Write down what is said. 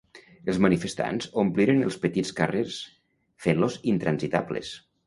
Els manifestants ompliren els petits carrers, fent-los intransitables.